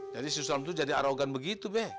jadi si sulam itu jadi arogan begitu be